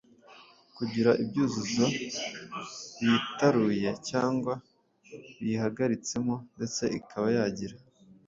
kugira ibyuzuzo biyitaruye cyangwa biyihagitsemo ndetse ikaba yagira